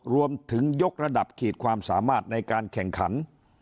ยกระดับขีดความสามารถในการแข่งขัน